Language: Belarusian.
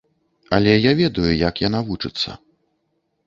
Але я ведаю, як яна вучыцца.